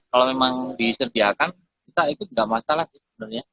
kalau memang disediakan kita ikut nggak masalah sih sebenarnya